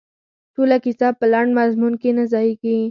ټوله کیسه په لنډ مضمون کې نه ځاییږي.